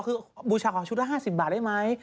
คือบูชาขอชุดละ๕๐บาทได้ไหม